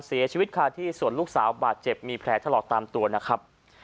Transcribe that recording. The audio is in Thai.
เสียชีวิตคาที่ส่วนลูกสาวบาดเจ็บมีแผลถลอกตามตัวนะครับ